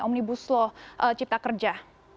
omnibus law cipta kerja